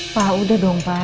pak udah dong pak